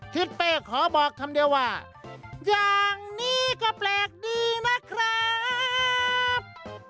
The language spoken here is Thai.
ทิศเป้ขอบอกคำเดียวว่าอย่างนี้ก็แปลกดีนะครับ